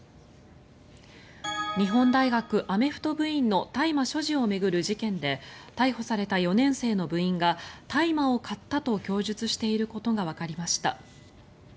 日本大学アメフト部員の大麻所持を巡る事件で逮捕された４年生の部員が大麻を買ったと供述していることがわかりました。